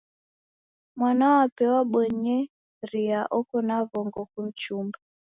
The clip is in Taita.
Mwanape wabonyeria oko na w'ongo kumchumba.